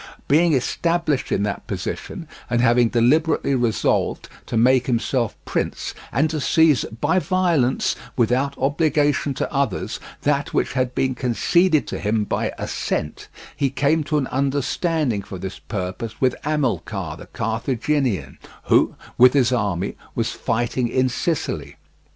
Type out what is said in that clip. Being established in that position, and having deliberately resolved to make himself prince and to seize by violence, without obligation to others, that which had been conceded to him by assent, he came to an understanding for this purpose with Amilcar, the Carthaginian, who, with his army, was fighting in Sicily.